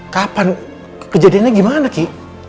kapan kejadiannya gimana ki